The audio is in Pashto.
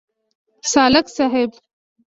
سالک صیب.